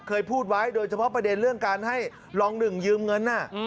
เคยพูดไว้โดยเฉพาะประเด็นเรื่องการให้รองหนึ่งยืมเงิน